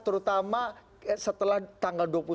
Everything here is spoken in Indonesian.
terutama setelah tanggal dua puluh satu dua puluh dua mei